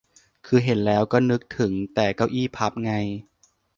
คือเห็นแล้วก็นึกถึงแต่เก้าอี้พับไง